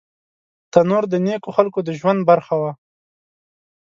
تنور د نیکو خلکو د ژوند برخه وه